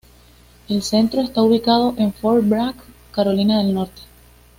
El Centro está ubicado en Fort Bragg, Carolina del Norte.